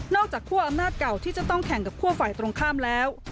จากคั่วอำนาจเก่าที่จะต้องแข่งกับคั่วฝ่ายตรงข้ามแล้ว